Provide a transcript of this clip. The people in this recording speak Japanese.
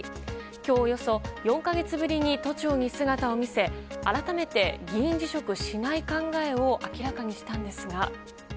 今日、およそ４か月ぶりに都庁に姿を見せ改めて議員辞職しない考えを明らかにしたんですが。